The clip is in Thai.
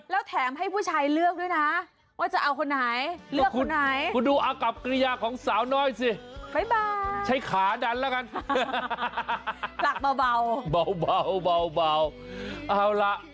แล้วแถมให้ผู้ชายเลือกด้วยนะจะเอาใครเลือกใคร